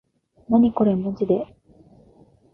なにこれまじで